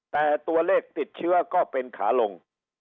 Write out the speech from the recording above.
แต่ตัวเลขติดเชื้อก็เป็นขาลง